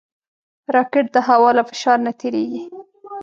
راکټ د هوا له فشار نه تېریږي